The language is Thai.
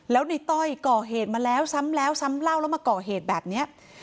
แล้วในต้อยก่อเหตุมาแล้วซ้ำแล้วซ้ำเล่าแล้วมาก่อเหตุแบบนี้